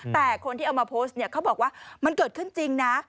แต่คนที่เอามาโพสต์เนี่ยเขาบอกว่ามันเกิดขึ้นจริงนะ